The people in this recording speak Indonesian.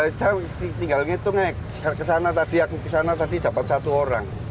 sekarang tinggalnya itu naik kesana tadi aku kesana tadi dapat satu orang